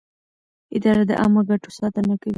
اداره د عامه ګټو ساتنه کوي.